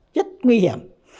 rất nguy hiểm